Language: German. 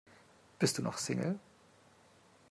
Bist du noch Single?